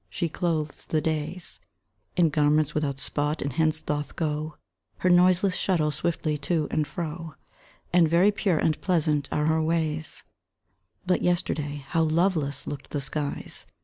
She clothes the days In garments without spot, and hence doth go Her noiseless shuttle swiftly to and fro, And very pure, and pleasant, are her ways. But yesterday, how loveless looked the skies!